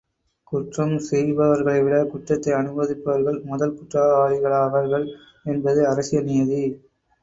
குற்றம் செய்பவர்களை விட, குற்றத்தை அனுமதிப்பவர்கள் முதல் குற்றவாளிகளாவார்கள் என்பது அரசியல் நியதி.